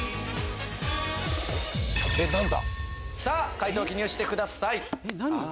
解答記入してください。